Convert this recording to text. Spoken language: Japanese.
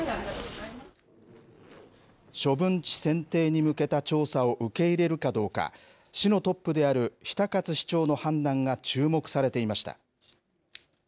処分地選定に向けた調査を受け入れるかどうか、市のトップである比田勝市長の判断が注目されていました。